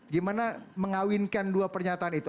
gimana mengawinkan dua pernyataan itu